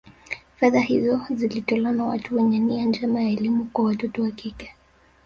Fedha hizo zilitolewa na watu wenye nia njema ya elimu kwa watoto wa kike